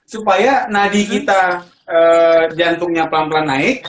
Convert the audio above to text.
supaya nadi kita jantungnya pelan pelan naik